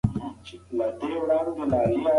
ځینې فلمونه دا ذهنیت پیاوړی کوي.